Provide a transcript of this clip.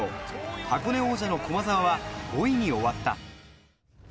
箱根王者の駒澤は５位に終わった。